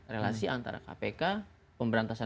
relasi antara kpk pemberantasan